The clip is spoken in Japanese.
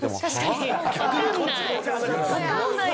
わかんない。